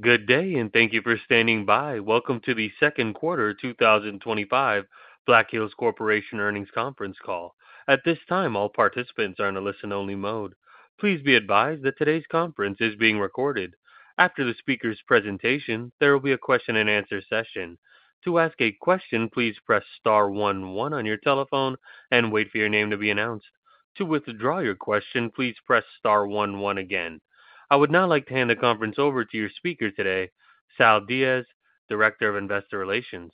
Good day and thank you for standing by. Welcome to the second quarter 2025 Black Hills Corporation earnings conference call. At this time, all participants are in a listen-only mode. Please be advised that today's conference is being recorded. After the speaker's presentation, there will be a question and answer session. To ask a question, please press Star one one on your telephone and wait for your name to be announced. To withdraw your question, please press Star one one again. I would now like to hand the conference over to your speaker today, Sal Diaz, Director of Investor Relations.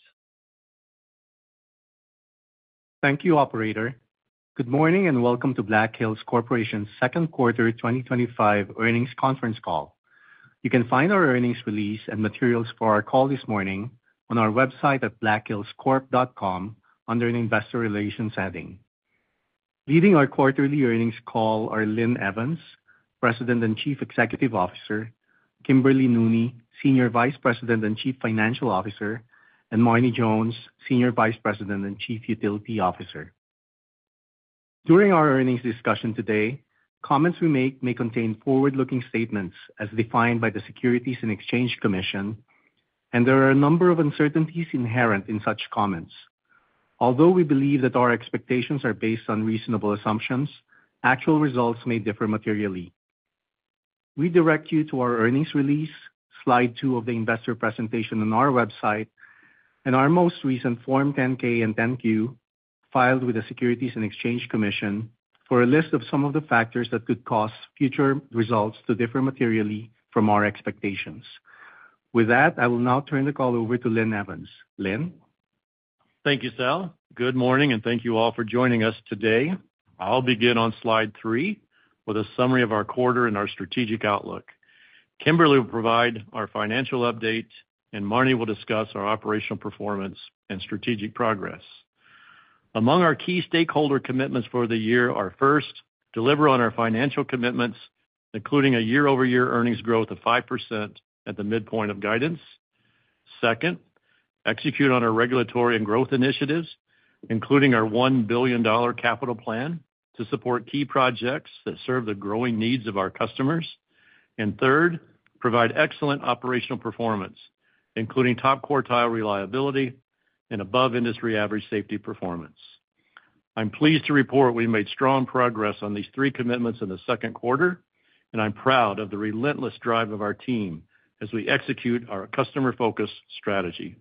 Thank you, operator. Good morning and welcome to Black Hills Corporation's second quarter 2025 earnings conference call. You can find our earnings release and materials for our call this morning on our website at blackhillscorp.com under an Investor Relations setting. Leading our quarterly earnings call are Lynn Evans, President and Chief Executive Officer, Kimberly Nooney, Senior Vice President and Chief Financial Officer, and Marne Jones, Senior Vice President and Chief Utility Officer. During our earnings discussion today, comments we make may contain forward-looking statements as defined by the Securities and Exchange Commission, and there are a number of uncertainties inherent in such comments. Although we believe that our expectations are based on reasonable assumptions, actual results may differ materially. We direct you to our earnings release, Slide 2 of the Investor presentation on our website, and our most recent Form 10-K and 10-Q filed with the Securities and Exchange Commission for a list of some of the factors that could cause future results to differ materially from our expectations. With that, I will now turn the call over to Lynn Evans. Lynn. Thank you, Sal. Good morning and thank you all for joining us today. I'll begin on slide 3 with a summary of our quarter and our strategic outlook. Kimberly will provide our financial update and Marne will discuss our operational performance and strategic progress. Among our key stakeholder commitments for the year are, first, deliver on our financial commitments including a year-over-year earnings growth of 5% at the midpoint of guidance, second, execute on our regulatory and growth initiatives including our $1 billion capital plan to support key projects that serve the growing needs of our customers, and third, provide excellent operational performance including top-quartile reliability and above industry average safety performance. I'm pleased to report we made strong progress on these three commitments in the second quarter and I'm proud of the relentless drive of our team as we execute our customer-focused strategy.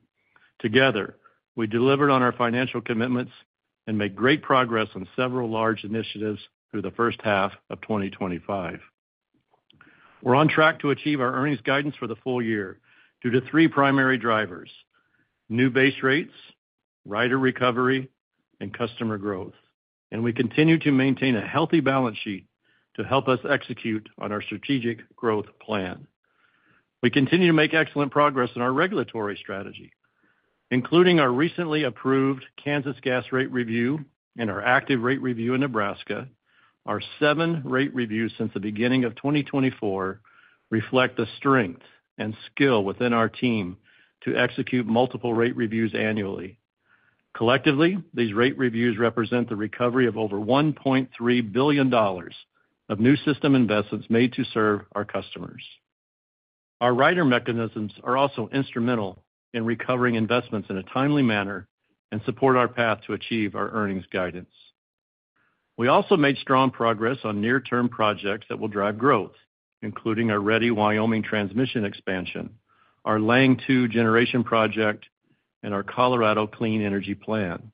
Together, we delivered on our financial commitments and made great progress on several large initiatives through the first half of 2025. We're on track to achieve our earnings guidance for the full year due to three primary drivers new base rates, rider recovery, and customer growth, and we continue to maintain a healthy balance sheet to help us execute on our strategic growth plan. We continue to make excellent progress in our regulatory strategy including our recently approved Kansas Gas Rate Review and our active rate review in Nebraska. Our 7 rate reviews since the beginning of 2024 reflect the strength and skill within our team to execute multiple rate reviews annually. Collectively, these rate reviews represent the recovery of over $1.3 billion of new system investments made to serve our customers. Our rider mechanisms are also instrumental in recovering investments in a timely manner and support our path to achieve our earnings guidance. We also made strong progress on near-term projects that will drive growth including our Ready Wyoming transmission expansion, our Lang 2 natural gas generation project, and our Colorado Clean Energy Plan.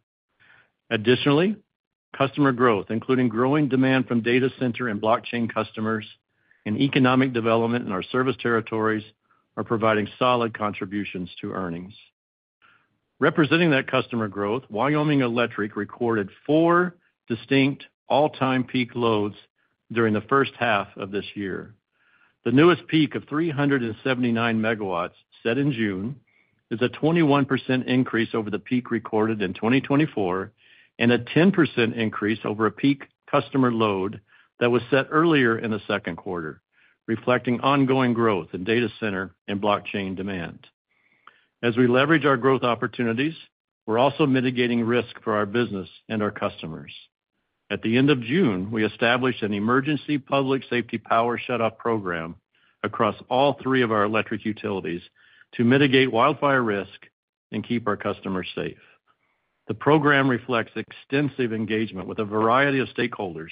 Additionally, customer growth, including growing demand from data center and blockchain customers and economic development in our service territories, are providing solid contributions to earnings representing that customer growth. Wyoming Electric recorded four distinct all-time peak loads during the first half of this year. The newest peak of 379 MW set in June is a 21% increase over the peak recorded in 2024 and a 10% increase over a peak customer load that was set earlier in the second quarter, reflecting ongoing growth in data center and blockchain demand. As we leverage our growth opportunities, we're also mitigating risk for our business and our customers. At the end of June, we established an Emergency Public Safety Power Shutoff program across all three of our electric utilities to mitigate wildfire risk and keep our customers safe. The program reflects extensive engagement with a variety of stakeholders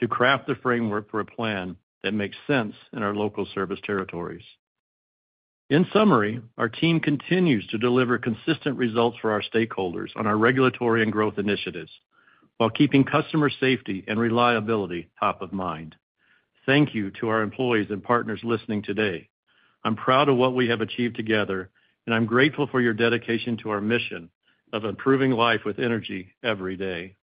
to craft the framework for a plan that makes sense in our local service territories. In summary, our team continues to deliver consistent results for our stakeholders on our regulatory and growth initiatives while keeping customer safety and reliability top of mind. Thank you to our employees and partners listening today. I'm proud of what we have achieved together and I'm grateful for your dedication to our mission of improving life with energy every day.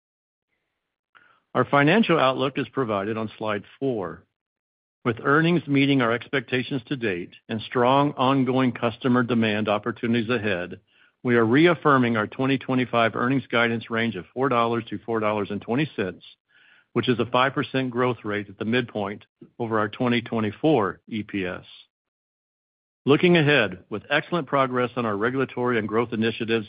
Our financial outlook is provided on slide 4. With earnings meeting our expectations to date and strong ongoing customer demand opportunities ahead, we are reaffirming our 2025 earnings guidance range of $4-$4.20, which is a 5% growth rate at the midpoint over our 2024 EPS. Looking ahead, with excellent progress on our regulatory and growth initiatives,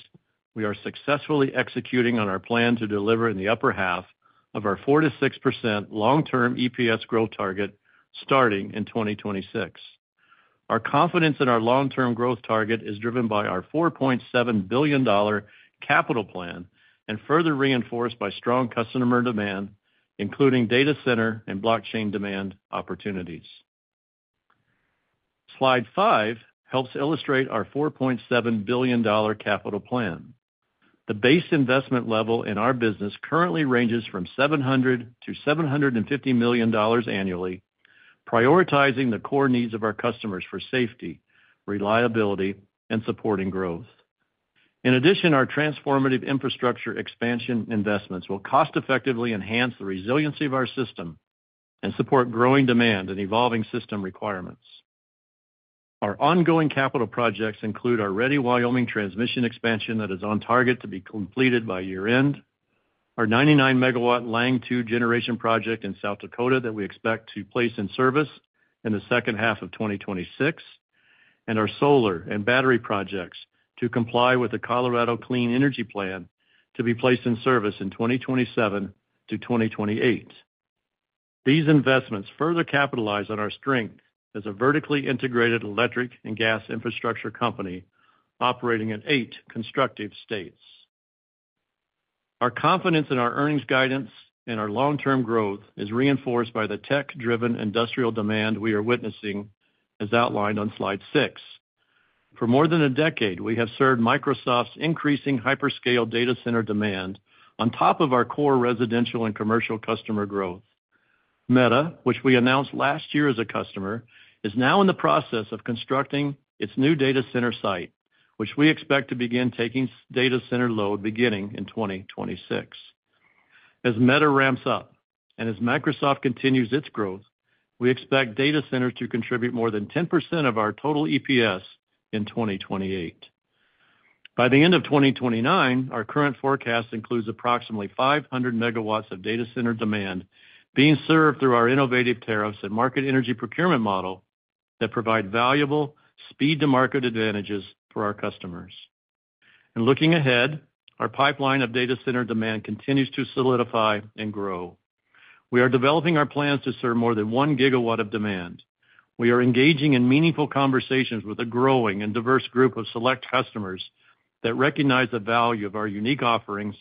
we are successfully executing on our plan to deliver in the upper half of our 4%-6% long term EPS growth target starting in 2026. Our confidence in our long term growth target is driven by our $4.7 billion capital plan and further reinforced by strong customer demand including data center and blockchain demand opportunities. Slide 5 helps illustrate our $4.7 billion capital plan. The base investment level in our business currently ranges from $700 million-$750 million annually, prioritizing the core needs of our customers for safety, reliability, and supporting growth. In addition, our transformative infrastructure expansion investments will cost effectively enhance the resiliency of our system and support growing demand and evolving system requirements. Our ongoing capital projects include our Ready Wyoming transmission expansion that is on target to be completed by year end, our 99 megawatt Lang 2 natural gas generation project in South Dakota that we expect to place in service in the second half of 2026, and our solar and battery projects to comply with the Colorado Clean Energy Plan to be placed in service in 2027-2028. These investments further capitalize on our strength as a vertically integrated electric and gas infrastructure company operating in eight constructive states. Our confidence in our earnings guidance and in our long term growth is reinforced by the tech driven industrial demand we are witnessing as outlined on slide 6. For more than a decade we have served Microsoft's increasing hyperscale data center demand on top of our core residential and commercial customer growth. Meta, which we announced last year as a customer, is now in the process of constructing its new data center site which we expect to begin taking data center load beginning in 2026. As Meta ramps up and as Microsoft continues its growth, we expect data centers to contribute more than 10% of our total EPS in 2028 by the end of 2029. Our current forecast includes approximately 500 MW of data center demand being served through our innovative tariffs and market energy procurement model that provide valuable speed to market advantages for our customers. Looking ahead, our pipeline of data center demand continues to solidify and grow. We are developing our plans to serve more than 1 GW of demand. We are engaging in meaningful conversations with a growing and diverse group of select customers that recognize the value of our unique offerings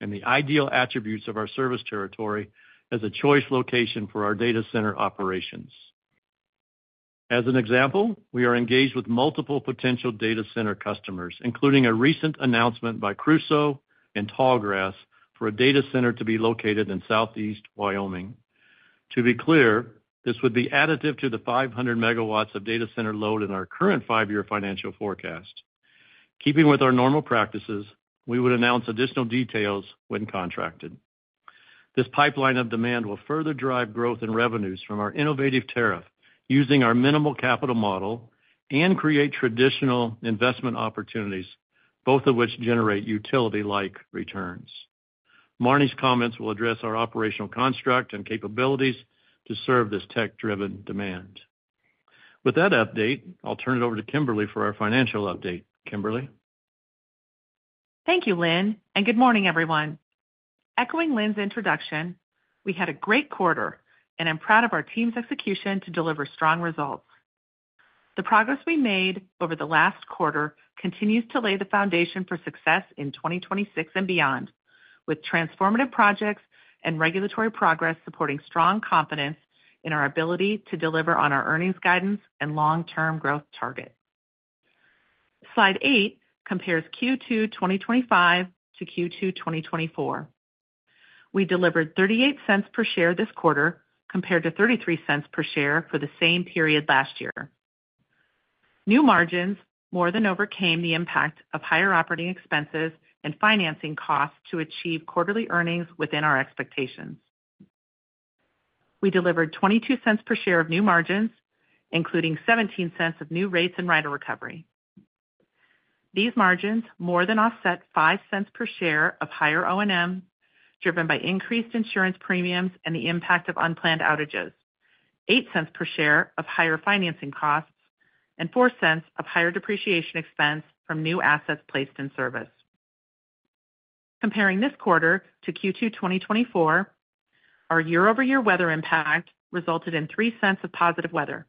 and the ideal attributes of our service territory as a choice location for our data center operations. As an example, we are engaged with multiple potential data center customers, including a recent announcement by Crusoe and Tallgrass for a data center to be located in Southeast Wyoming. To be clear, this would be additive to the 500 MW of data center load in our current five year financial forecast. Keeping with our normal practices, we would announce additional details when contracted. This pipeline of demand will further drive growth in revenues from our innovative tariffs using our minimal capital service model and create traditional investment opportunities, both of which generate utility like returns. Marne's comments will address our operational construct and capabilities to serve this tech-driven demand. With that update, I'll turn it over to Kimberly for our financial update. Kimberly. Thank you Lynn, and good morning everyone. Echoing Lynn's introduction, we had a great quarter and I'm proud of our team's execution to deliver strong results. The progress we made over the last quarter continues to lay the foundation for success in 2026 and beyond, with transformative projects and regulatory progress supporting strong confidence in our ability to deliver on our earnings guidance and long-term growth target. Slide 8 compares Q2 2025-Q2 2024. We delivered $0.38 per share this quarter compared to $0.33 per share for the same period last year. New margins more than overcame the impact of higher operating expenses and financing costs to achieve quarterly earnings within our expectations. We delivered $0.22 per share of new margins, including $0.17 of new rates and rider recovery. These margins more than offset $0.05 per share of higher O&M driven by increased insurance premiums and the impact of unplanned outages, $0.08 per share of higher financing costs, and $0.04 of higher depreciation expense from new assets placed in service. Comparing this quarter to Q2 2024, our year-over-year weather impact resulted in $0.03 of positive weather,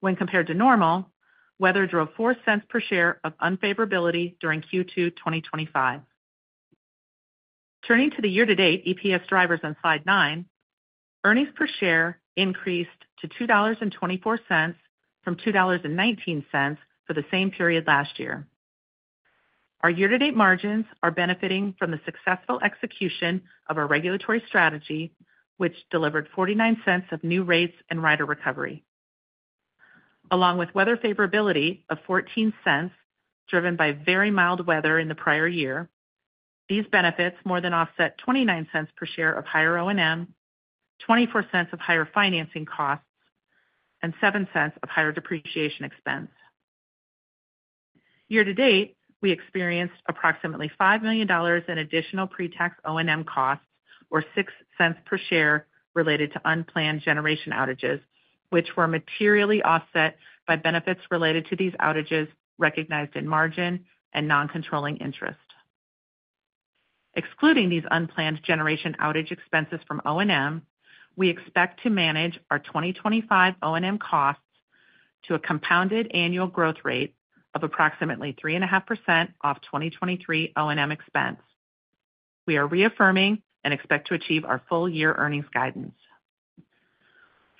while compared to normal weather drove $0.04 per share of unfavorability during Q2 2025. Turning to the year-to-date EPS drivers on Slide 9, earnings per share increased to $2.24 from $2.19 for the same period last year. Our year-to-date margins are benefiting from the successful execution of our regulatory strategy, which delivered $0.49 of new rates and rider recovery along with weather favorability of $0.14 driven by very mild weather in the prior year. These benefits more than offset $0.29 per share of higher O&M, $0.24 of higher financing costs, and $0.07 of higher depreciation expense. Year-to-date, we experienced approximately $5 million in additional pre-tax O&M costs, or $0.06 per share, related to unplanned generation outages, which were materially offset by benefits related to these outages recognized in margin and noncontrolling interest. Excluding these unplanned generation outage expenses from O&M, we expect to manage our 2025 O&M costs to a compounded annual growth rate of approximately 3.5% off 2023 O&M expense. We are reaffirming and expect to achieve our full-year earnings guidance.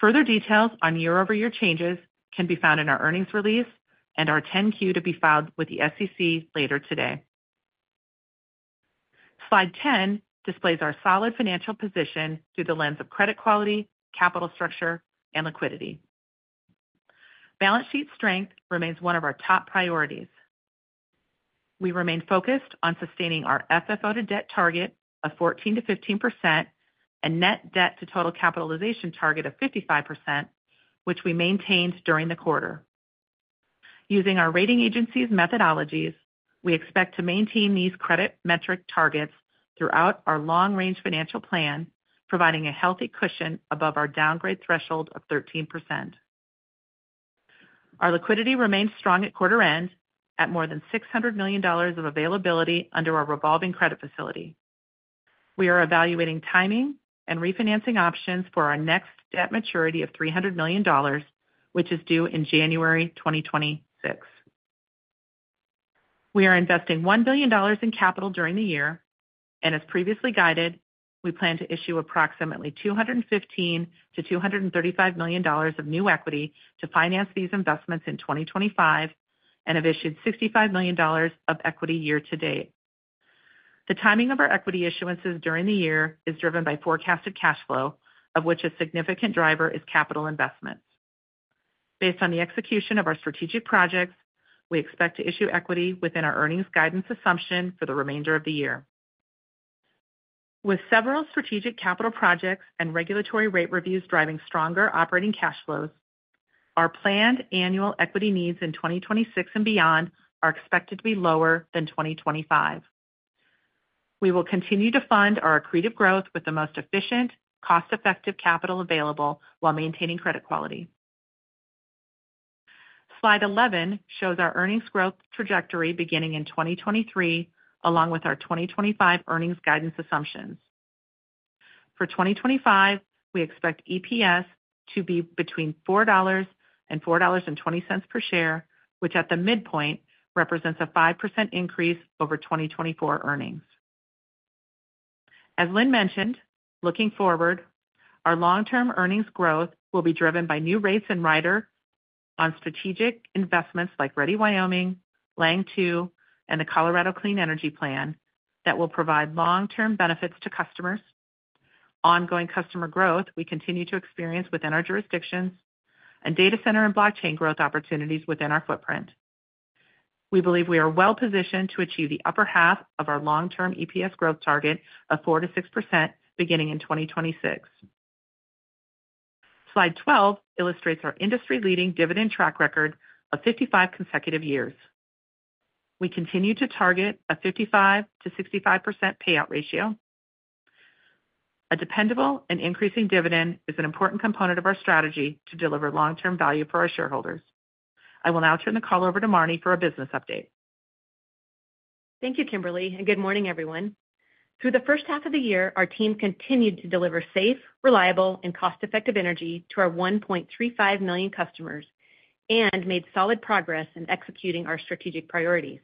Further details on year-over-year changes can be found in our earnings release and our 10-Q to be filed with the SEC later today. Slide 10 displays our solid financial position through the lens of credit quality, capital structure, and liquidity. Balance sheet strength remains one of our top priorities. We remain focused on sustaining our FFO to debt target of 14%-15% and net debt to total capitalization target of 55%, which we maintained during the quarter using our rating agency's methodologies. We expect to maintain these credit metric targets throughout our long range financial plan, providing a healthy cushion above our downgrade threshold of 13%. Our liquidity remains strong at quarter end at more than $600 million of availability under our revolving credit facility. We are evaluating timing and refinancing options for our next debt maturity of $300 million, which is due in January 2026. We are investing $1 billion in capital during the year, and as previously guided, we plan to issue approximately $215 million-$235 million of new equity to finance these investments in 2025 and have issued $65 million of equity year-to-date. The timing of our equity issuances during the year is driven by forecasted cash flow, of which a significant driver is capital investments. Based on the execution of our strategic projects, we expect to issue equity within our earnings guidance assumption for the remainder of the year, with several strategic capital projects and regulatory rate reviews driving stronger operating cash flows. Our planned annual equity needs in 2026 and beyond are expected to be lower than 2025. We will continue to fund our accretive growth with the most efficient, cost effective capital available while maintaining credit quality. Slide 11 shows our earnings growth trajectory beginning in 2023 along with our 2025 earnings guidance assumptions. For 2025, we expect EPS to be between $4 and $4.20 per share, which at the midpoint represents a 5% increase over 2024 earnings. As Lynn mentioned, looking forward, our long term earnings growth will be driven by new rates and rider on strategic investments like Ready Wyoming, Lang 2, and the Colorado Clean Energy Plan that will provide long term benefits to customers, ongoing customer growth we continue to experience within our jurisdictions, and data center and blockchain growth opportunities within our footprint. We believe we are well positioned to achieve the upper half of our long term EPS growth target of 4%-6% beginning in 2026. Slide 12 illustrates our industry leading dividend track record of 55 consecutive years. We continue to target a 55%-65% payout ratio. A dependable and increasing dividend is an important component of our strategy to deliver long term value for our shareholders. I will now turn the call over to Marne for a business update. Thank you, Kimberly, and good morning, everyone. Through the first half of the year, our team continued to deliver safe, reliable, and cost-effective energy to our 1.35 million customers and made solid progress in executing our strategic priorities.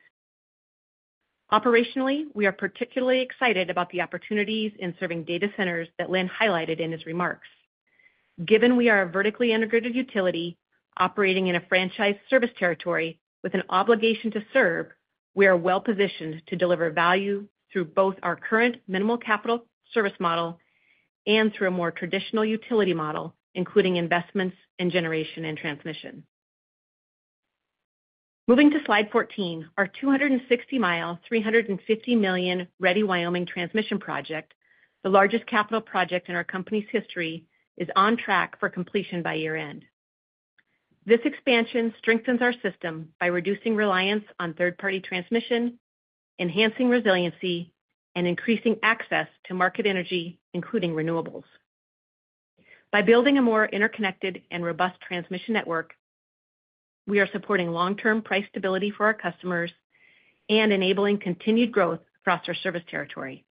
Operationally, we are particularly excited about the opportunities in serving data centers that Lynn highlighted in his remarks. Given we are a vertically integrated utility operating in a franchise service territory with an obligation to serve, we are well positioned to deliver value through both our current minimal capital service model and through a more traditional utility model, including investments in generation and transmission. Moving to slide 14, our 260-mile, $350 million Ready Wyoming transmission expansion, the largest capital project in our company's history, is on track for completion by year end. This expansion strengthens our system by reducing reliance on third-party transmission, enhancing resiliency, and increasing access to market energy, including renewables. By building a more interconnected and robust transmission network, we are supporting long-term price stability for our customers and enabling continued growth across our service territory.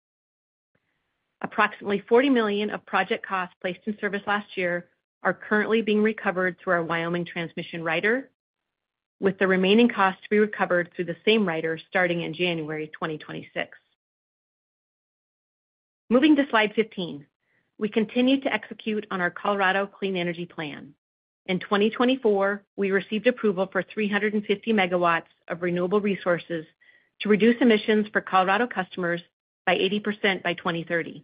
Approximately $40 million of project costs placed in service last year are currently being recovered through our Wyoming Transmission rider, with the remaining cost to be recovered through the same rider starting in January 2026. Moving to slide 15, we continue to execute on our Colorado Clean Energy Plan. In 2024, we received approval for 350 MW of renewable resources to reduce emissions for Colorado customers by 80% by 2030.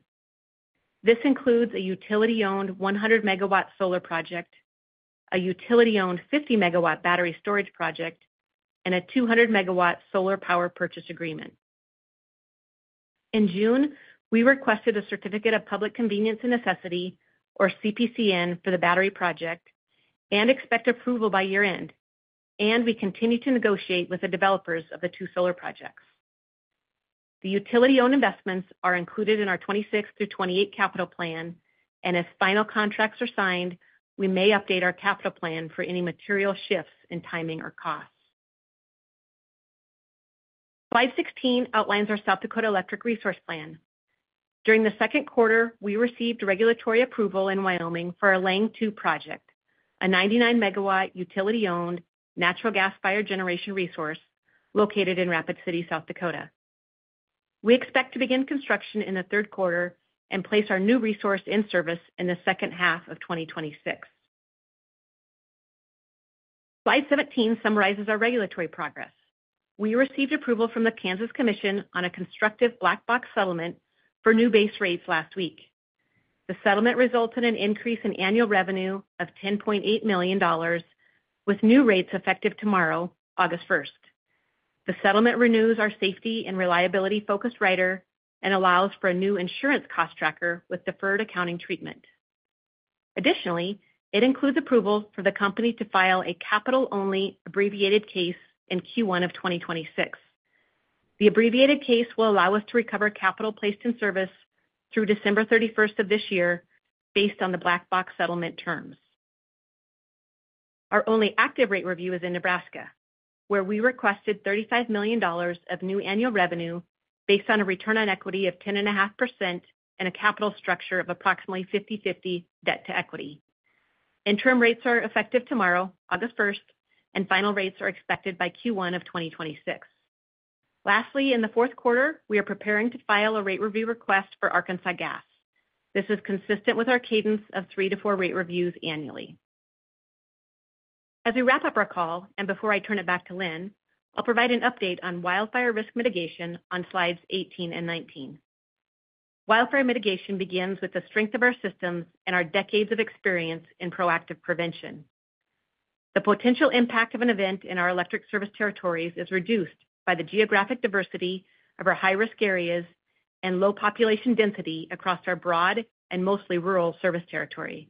This includes a utility-owned 100 MW solar project, a utility-owned 50 MW battery storage project, and a 200 MW solar power purchase agreement. In June, we requested a Certificate of Public Convenience and Necessity, or CPCN, for the battery project and expect approval by year end, and we continue to negotiate with the developers of the two solar projects. The utility-owned investments are included in our 2026 through 2028 capital plan, and as final contracts are signed, we may update our capital plan for any material shifts in timing or costs. Slide 16 outlines our South Dakota Electric Resource Plan. During the second quarter, we received regulatory approval in Wyoming for the Lang 2 project, a 99 MW utility-owned natural gas-fired generation resource located in Rapid City, South Dakota. We expect to begin construction in the third quarter and place our new resource in service in the second half of 2026. Slide 17 summarizes our regulatory progress. We received approval from the Kansas Commission on a constructive black box settlement for new base rates last week. The settlement resulted in an increase in annual revenue of $10.8 million with new rates effective tomorrow, August 1st. The settlement renews our safety and reliability-focused rider and allows for a new insurance cost tracker with deferred accounting treatment. Additionally, it includes approval for the company to file a capital-only abbreviated case in Q1 of 2026. The abbreviated case will allow us to recover capital placed in service through December 31st of this year based on the black box settlement terms. Our only active rate review is in Nebraska where we requested $35 million of new annual revenue based on a return on equity of 10.5% and a capital structure of approximately 50/50 debt to equity. Interim rates are effective tomorrow, August 1st, and final rates are expected by Q1 of 2026. Lastly, in the fourth quarter we are preparing to file a rate review request for Arkansas Gas. This is consistent with our cadence of three to four rate reviews annually. As we wrap up our call and before I turn it back to Lynn, I'll provide an update on wildfire risk mitigation on slides 18 and 19. Wildfire mitigation begins with the strength of our systems and our decades of experience in proactive prevention. The potential impact of an event in our electric service territories is reduced by the geographic diversity of our high-risk areas and low population density across our broad and mostly rural service territory.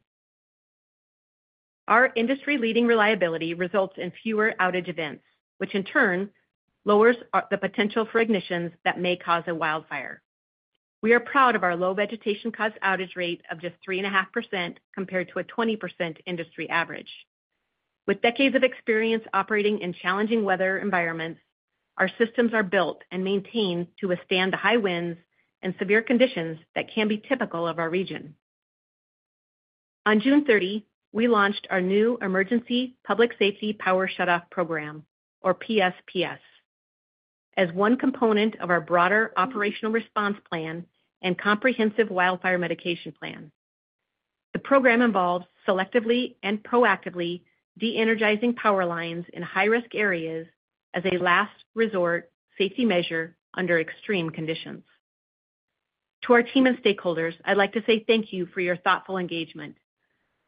Our industry-leading reliability results in fewer outage events, which in turn lowers the potential for ignitions that may cause a wildfire. We are proud of our low vegetation-caused outage rate of just 3.5% compared to a 20% industry average. With decades of experience operating in challenging weather environments, our systems are built and maintained to withstand the high winds and severe conditions that can be typical of our region. On June 30, we launched our new Emergency Public Safety Power Shutoff program, or PSPS, as one component of our broader Operational Response Plan and Comprehensive Wildfire Mitigation Plan. The program involves selectively and proactively de-energizing power lines in high-risk areas as a last resort safety measure under extreme conditions. To our team of stakeholders, I'd like to say thank you for your thoughtful engagement.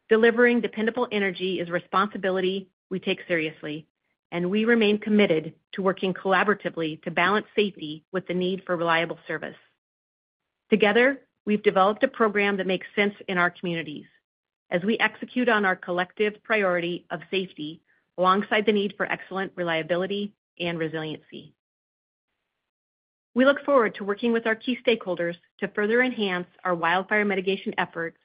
Delivering dependable energy is a responsibility we take seriously, and we remain committed to working collaboratively to balance safety with the need for reliable service. Together, we've developed a program that makes sense in our communities as we execute on our collective priority of safety alongside the need for excellent reliability and resiliency. We look forward to working with our key stakeholders to further enhance our wildfire mitigation efforts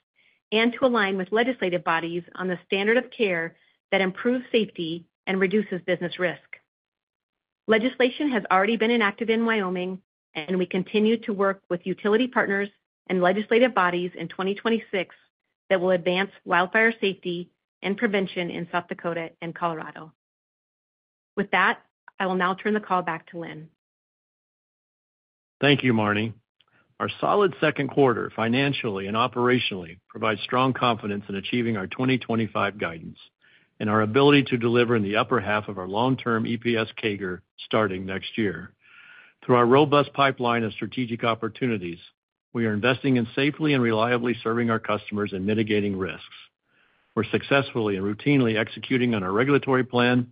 and to align with legislative bodies on the standard of care that improves safety and reduces business risk. Legislation has already been enacted in Wyoming, and we continue to work with utility partners and legislative bodies in 2026 that will advance wildfire safety and prevention in South Dakota and Colorado. With that, I will now turn the call back to Lynn. Thank you, Marne. Our solid second quarter financially and operationally provides strong confidence in achieving our 2025 guidance and our ability to deliver in the upper half of our long term EPS CAGR starting next year. Through our robust pipeline of strategic opportunities, we are investing in safely and reliably serving our customers and mitigating risks. We're successfully and routinely executing on our regulatory plan,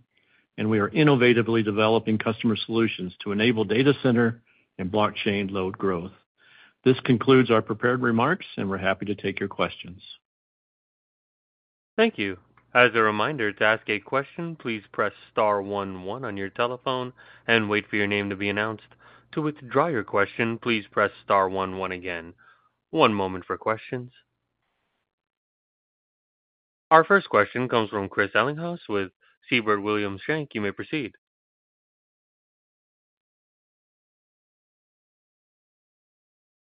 and we are innovatively developing customer solutions to enable data center and blockchain load growth. This concludes our prepared remarks and we're happy to take your questions. Thank you. As a reminder to ask a question, please press star one one on your telephone and wait for your name to be announced. To withdraw your question, please press star one one again. One moment for questions. Our first question comes from Chris Ellinghaus with Siebert Williams Shank. You may proceed,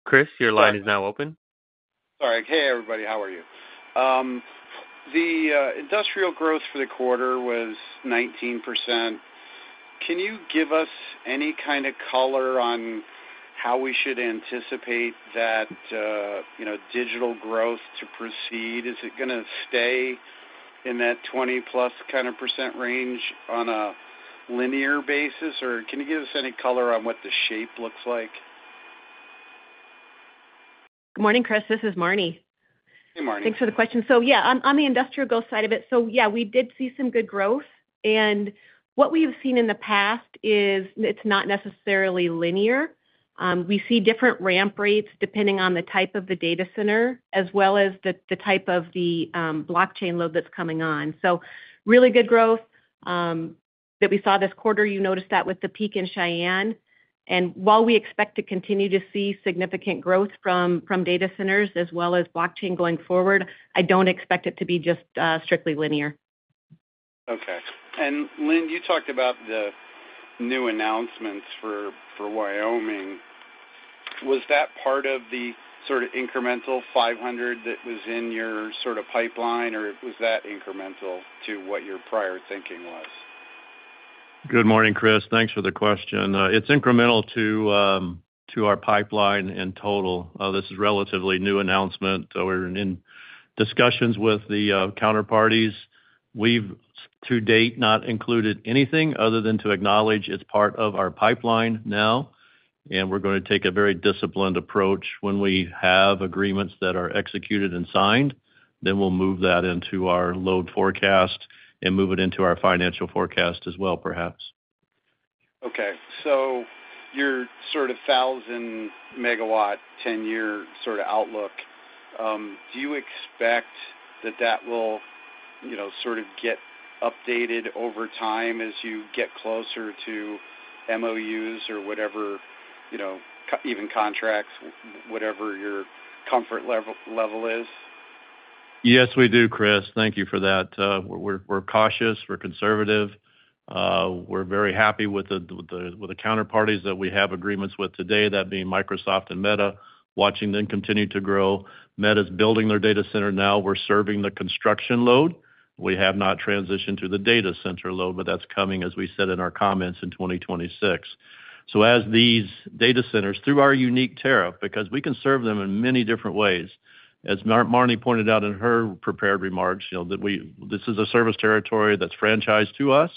Chris. Your line is now open. Sorry. Hey everybody, how are you? The industrial growth for the quarter was 19%. Can you give us any kind of color on how we should anticipate that digital growth to proceed? Is it going to stay in that 20% plus kind of range on a linear basis, or can you give us any color on what the shape looks like? Good morning, Chris. This is Marne. Hey Marne, thanks for the question. On the industrial growth side of it, we did see some good growth and what we have seen in the past is it's not necessarily linear. We see different ramp rates depending on the type of the data center as well as the type of the blockchain load that's coming on. Really good growth that we saw this quarter. You noticed that with the peak in Cheyenne. While we expect to continue to see significant growth from data centers as well as blockchain going forward, I don't expect it to be just strictly linear. Okay. Lynn, you talked about the new announcements for Wyoming. Was that part of the sort of incremental $500 million that was in your sort of pipeline, or was that incremental to what your prior thinking was? Good morning, Chris. Thanks for the question. It's incremental to our pipeline in total. This is a relatively new announcement. We're in discussions with the counterparties. We've to date not included anything other than to acknowledge it's part of our pipeline now. We're going to take a very disciplined approach. When we have agreements that are executed and signed, we'll move that into our load forecast and move it into our financial forecast as well, perhaps. Okay, so your sort of 1,000 MW, 10-year sort of outlook, do you expect that that will sort of get updated over time as you get closer to MOUs or whatever, even contracts, whatever your comfort level is? Yes, we do, Chris, thank you for that. We're cautious, we're conservative, we're very happy with the counterparties that we have agreements with today, that being Microsoft and Meta, watching them continue to grow. Meta is building their data center now. We're serving the construction load. We have not transitioned to the data center load, but that's coming as we said in our comments in 2026. As these data centers, through our unique tariff, we can serve them in many different ways. As Marne pointed out in her prepared remarks, you know that this is a service territory that's franchised to us,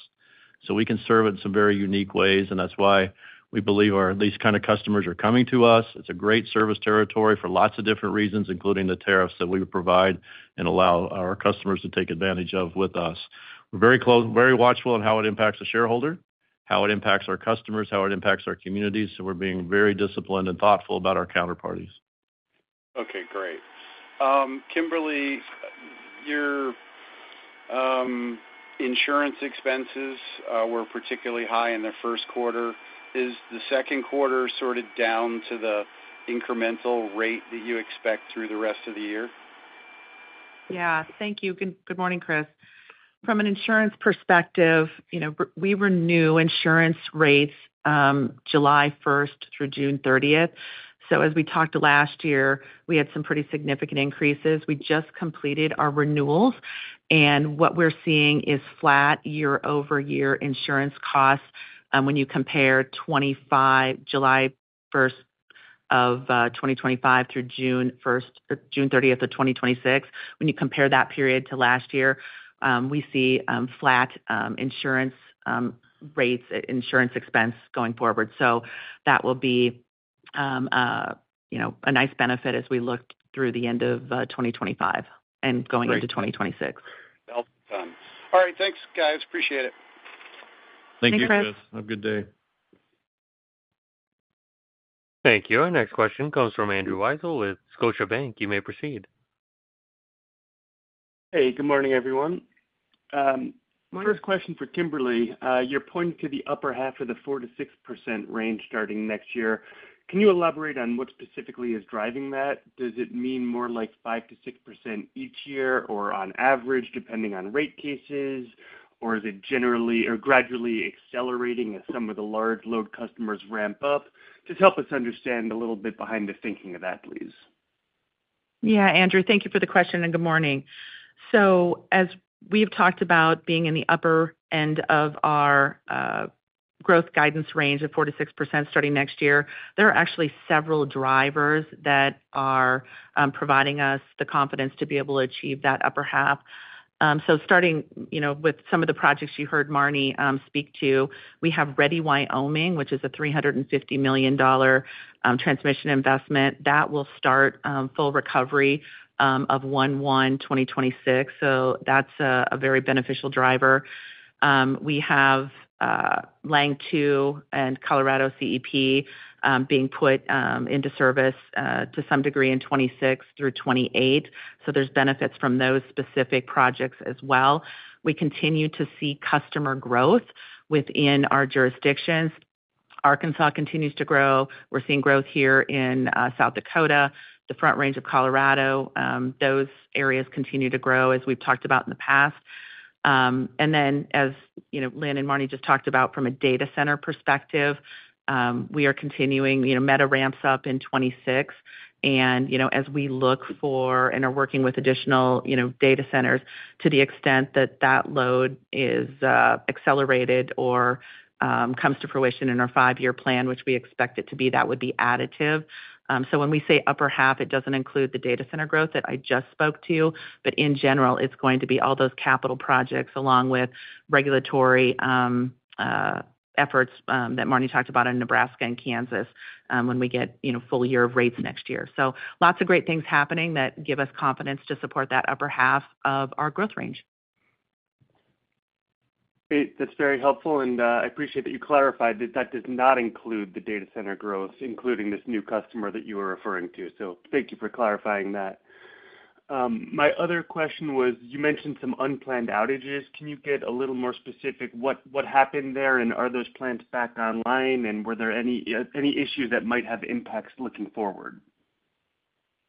so we can serve it in some very unique ways. That's why we believe these kind of customers are coming to us. It's a great service territory for lots of different reasons, including the tariffs that we provide and allow our customers to take advantage of with us. We're very close, very watchful on how it impacts the shareholder, how it impacts our customers, how it impacts our communities. We're being very disciplined and thoughtful about our counterparties. Okay, great. Kimberly, your insurance expenses were particularly high in the first quarter. Is the second quarter sort of down to the incremental rate that you expect through the rest of the year? Yeah. Thank you. Good morning, Chris. From an insurance perspective, we renew insurance. Rates July 1st through June 30th. As we talked last year, we. Had some pretty significant increases. We just completed our renewals, and what we're seeing is flat year-over-year insurance costs. When you compare July 1st, 2025, through June 30th, 2026, when you compare that period to last year, we see flat insurance rates, insurance expense going forward. That will be a nice benefit as we look through the end of 2025 and going into 2026. All right, thanks, guys. Appreciate it. Thank you, Chris. Have a good day. Thank you. Our next question comes from Andrew Weisel with Scotiabank. You may proceed. Hey, good morning everyone. My first question for Kimberly, you're pointing to the upper half of the 4%-6% range starting next year. Can you elaborate on what specifically is driving that, does it mean more like 5%-6%, each year or on average depending on rate cases, or is it generally or gradually accelerating as some of the large load customers ramp up? Just help us understand a little bit behind the thinking of that, please. Yeah, Andrew, thank you for the question and good morning. As we have talked about being in the upper end of our growth guidance range of 4%-6% starting next year, there are actually several drivers that are providing us the confidence to be able to achieve that upper half. Starting with some of the projects you heard Marne speak to, we have Ready Wyoming, which is a $350 million transmission investment that will start full recovery on 11/2026. That's a very beneficial driver. We have Lang 2 and Colorado CEP being put into service to some degree in 2027 through 2028. There's benefits from those specific projects as well. We continue to see customer growth within our jurisdictions. Arkansas continues to grow. We're seeing growth here in South Dakota, the Front Range of Colorado. Those areas continue to grow. As we've talked about in the past and then as Lynn and Marne just talked about from a data center perspective, we are continuing. Meta ramps up in 2026. As we look for and are working with additional data centers, to the extent that that load is accelerated or comes to fruition in our five-year plan, which we expect it to be, that would be additive. When we say upper half, it doesn't include the data center growth that. I just spoke to. In general, it's going to be all those capital projects along with regulatory efforts that Marne talked about in Nebraska and Kansas when we get full year. Of rates next year. Lots of great things happening that give us confidence to support that upper half of our growth range. Great, that's very helpful and I appreciate that you clarified that does not include the data center growth, including this new customer that you were referring to. Thank you for clarifying that. My other question was you mentioned some unplanned outages. Can you get a little more specific what happened there, and are those plants back online, and were there any issues that might have impacts looking forward?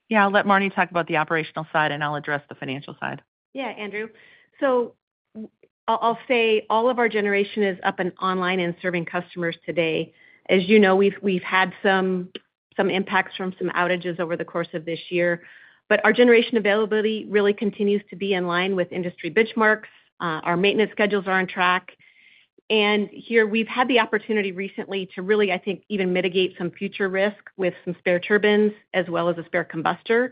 Yeah, I'll let Marne talk about the. Operational side, and I'll address the financial side. Yeah, Andrew, I'll say all of our generation is up and online and serving customers today. As you know, we've had some impacts from some outages over the course of this year. Our generation availability really continues to be in line with industry benchmarks. Our maintenance schedules are on track, and we've had the opportunity recently to really, I think, even mitigate some future risk with some spare turbines as well as a spare combustor.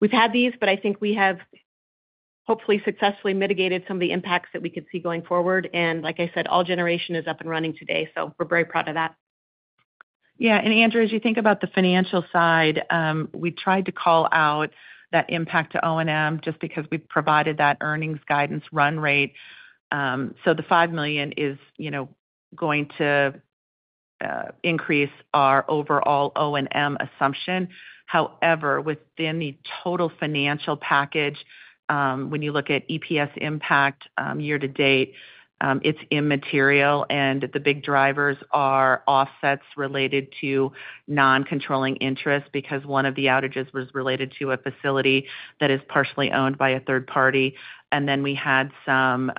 We've had these, and I think we have hopefully successfully mitigated some of the impacts that we could see going forward. Like I said, all generation is up and running today. We're very proud of that. Yeah. Andrew, as you think about the. Financial side, we tried to call out. That impact to O&M just. Because we provided that earnings guidance run rate. The $5 million is, you know. Going to increase our overall O&M assumption. However, within the total financial package, when you look at EPS impact year to date, it's immaterial. The big drivers are offsets related to noncontrolling interest because one of the outages was related to a facility that is partially owned by a third party. We had some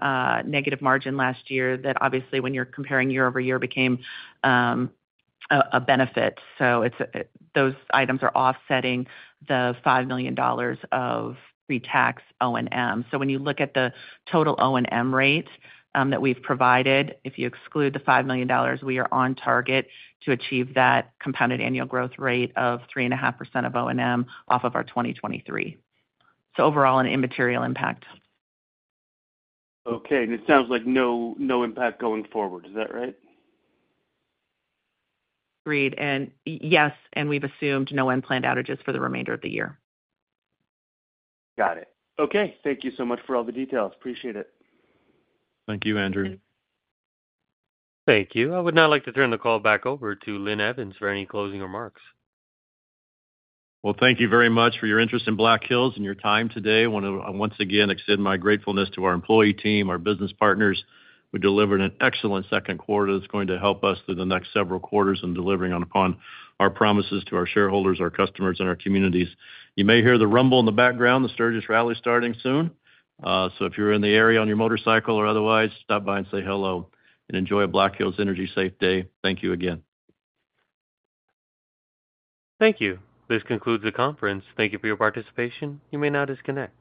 negative margin last year that obviously when you're comparing year-over-year became benefit. Those items are offsetting the $5 million of pre-tax O&M. When you look at the total O&M rate that we've provided, if you exclude the $5 million, we are on target to achieve that compounded annual growth rate of 3.5% of O&M off of our 2023. Overall, an immaterial impact. Okay. It sounds like no impact going forward, is that right? Agreed. And yes. We've assumed no unplanned outages for. The remainder of the year. Got it. Okay. Thank you so much for all the details. Appreciate it. Thank you, Andrew. Thank you. I would now like to turn the call back over to Lynn Evans for any closing remarks. Thank you very much for your interest in Black Hills and your time today. I want to once again extend my gratefulness to our employee team and our business partners. We delivered an excellent second quarter that's going to help us through the next several quarters in delivering upon our promises to our shareholders, our customers, and our communities. You may hear the rumble in the background, the Sturgis rally starting soon. If you're in the area on your motorcycle or otherwise, stop by and say hello and enjoy a Black Hills Energy safe day. Thank you again. Thank you. This concludes the conference. Thank you for your participation. You may now disconnect.